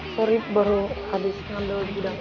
sorry baru habis ngambil di gudang